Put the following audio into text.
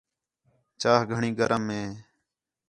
چاہ گھݨی گرم ہے